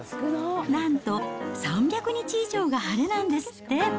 なんと３００日以上が晴れなんですって。